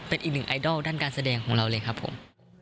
เป็นอีกหนึ่งไอดอลด้านการแสดงของเราเลยครับผม